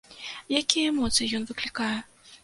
Якія эмоцыі ён выклікае?